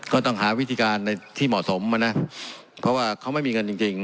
ก็ต้องหาวิธีการในที่เหมาะสมนะเพราะว่าเขาไม่มีเงินจริงจริง